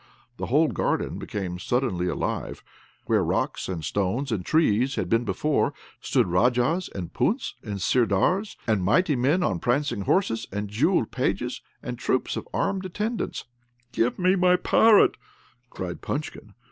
the whole garden became suddenly alive: where rocks, and stones, and trees had been before, stood Rajas, and Punts, and Sirdars, and mighty men on prancing horses, and jewelled pages, and troops of armed attendants. "Give me my parrot!" cried Punchkin.